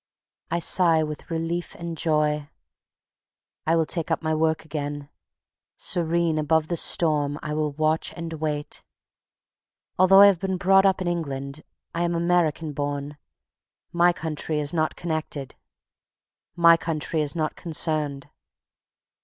I sigh with relief and joy. I will take up my work again. Serene above the storm I will watch and wait. Although I have been brought up in England I am American born. My country is not concerned.